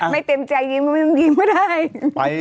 ไม่เต็มใจยิ้มยิ้มไม่ได้